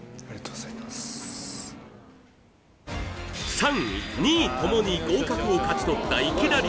３位２位ともに合格を勝ち取ったいきなり！